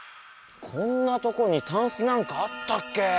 こんなとこにタンスなんかあったっけ？